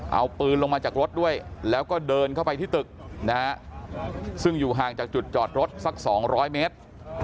เอาปืนลงมาจากรถด้วยแล้วก็เดินเข้าไปที่ตึกนะฮะซึ่งอยู่ห่างจากจุดจอดรถสัก๒๐๐เมตร